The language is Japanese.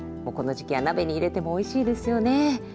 もうこの時期は鍋に入れてもおいしいですよね。